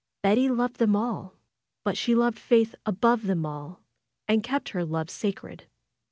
Betty loved them all. But she loved Faith above them all, and kept her love sacred.